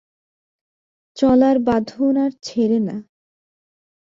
চলার বাঁধন আর ছেঁড়ে না।